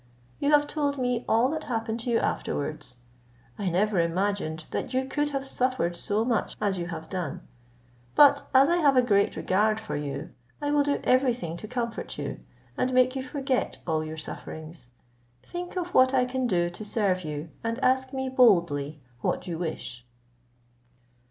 You have told me all that happened to you afterwards. I never imagined that you could have suffered so much as you have done. But as I have a great regard for you, I will do every thing to comfort you, and make you forget all your sufferings; think of what I can do to serve you, and ask me boldly what you wish."